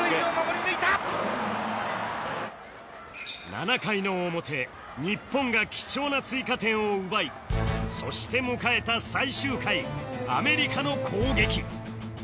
７回の表日本が貴重な追加点を奪いそして迎えた最終回アメリカの攻撃